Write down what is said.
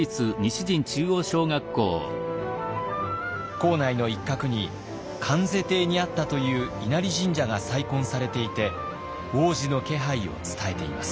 校内の一角に観世邸にあったという稲荷神社が再建されていて往時の気配を伝えています。